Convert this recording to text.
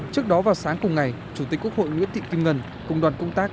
trước đó vào sáng cùng ngày chủ tịch quốc hội nguyễn thị kim ngân cùng đoàn công tác